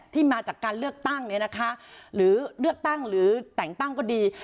มาจากการเลือกตั้งเนี่ยนะคะหรือเลือกตั้งหรือแต่งตั้งก็ดี